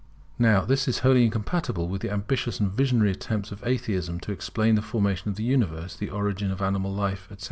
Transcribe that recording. Now this is wholly incompatible with the ambitious and visionary attempts of Atheism to explain the formation of the Universe, the origin of animal life, etc.